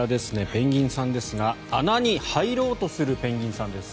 ペンギンさんですが穴に入ろうとするペンギンさんです。